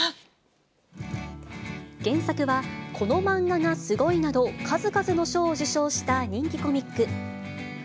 原作は、このマンガがすごい！など、数々の賞を受賞した人気コミック。